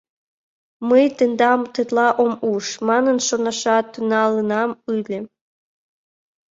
— Мый тендам тетла ом уж, манын шонашат тӱҥалынам ыле.